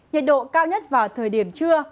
nhiệt độ cao nhất vào thời điểm trưa